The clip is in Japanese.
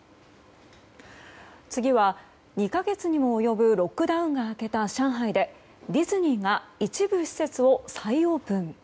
次は２か月にも及ぶロックダウンが明けた上海ディズニーが一部施設を再オープン。